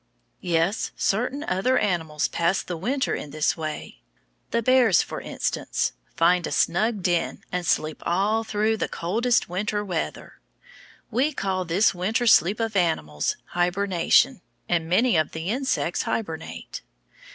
Yes, certain other animals pass the winter in this way; the bears, for instance, find a snug den and sleep all through the coldest winter weather. We call this winter sleep of animals hibernation, and many of the insects hibernate.